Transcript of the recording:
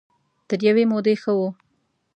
تر يوې مودې ښه وو.